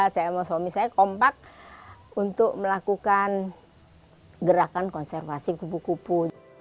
saya sama suami saya kompak untuk melakukan gerakan konservasi kupu kupu